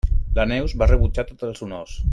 La Neus va rebutjar tots els honors.